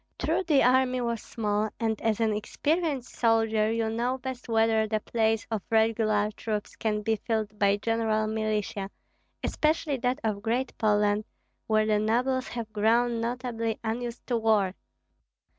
True the army was small, and as an experienced soldier you know best whether the place of regular troops can be filled by general militia, especially that of Great Poland, where the nobles have grown notably unused to war.